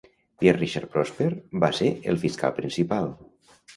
Pierre-Richard Prosper va ser el fiscal principal.